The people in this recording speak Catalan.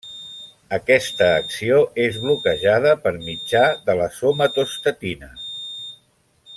Aquesta acció és bloquejada per mitjà de la somatostatina.